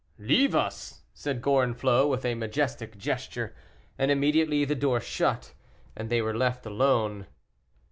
"Leave us!" said Gorenflot, with a majestic gesture; and immediately the door shut, and they were left alone.